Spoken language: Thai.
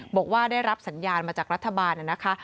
บอกว่าได้รับสัญญาณมาจากรัฐบาลนะคะ